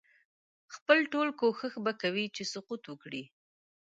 خپل ټول کوښښ به کوي چې سقوط وکړي.